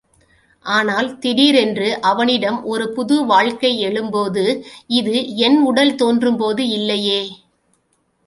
ஆனால் திடீரென்று அவனிடம் ஒரு புது வாழ்க்கை எழும்போது, இது என் உடல் தோன்றும்போது இல்லையே!